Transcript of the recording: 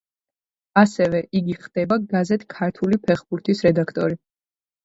ასევე იგი ხდება გაზეთ „ქართული ფეხბურთის“ რედაქტორი.